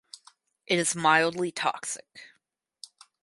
It is mildly toxic.